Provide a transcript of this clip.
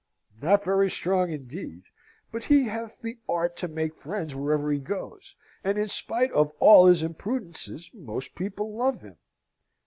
"Not very strong, indeed. But he hath the art to make friends wherever he goes, and in spite of all his imprudences most people love him."